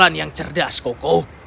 hanya karena kau membuatnya lebih murah